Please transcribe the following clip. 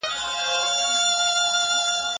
د کيفيت شاخصونو ته تل لومړيتوب ورکړئ.